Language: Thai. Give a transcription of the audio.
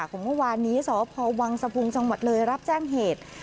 ของกว่านี้สพวังสภุงศ์สังวัตรเลยรับแจ้งเหตุ